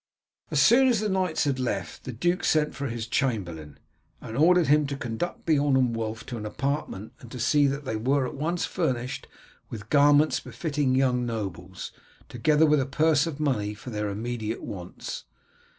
As soon as the knights had left, the duke sent for his chamberlain, and ordered him to conduct Beorn and Wulf to an apartment and to see that they were at once furnished with garments befitting young nobles, together with a purse of money for their immediate wants.